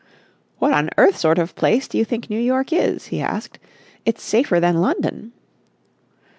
"What on earth sort of place do you think New York is?" he asked. "It's safer than London."